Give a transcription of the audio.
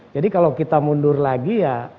jadi kalau kita mundur lagi